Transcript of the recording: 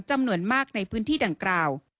จำนวนมากในพื้นที่ดังกล่าว